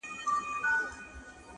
يو ځوان وايي دا ټول تبليغ دئ،